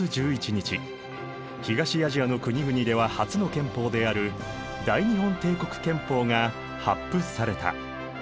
日東アジアの国々では初の憲法である大日本帝国憲法が発布された。